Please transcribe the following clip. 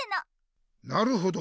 なるほど。